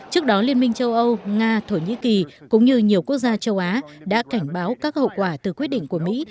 trước đó liên minh châu âu nga thổ nhĩ kỳ cũng như nhiều quốc gia châu á đã cảnh báo các hậu quả từ quyết định của mỹ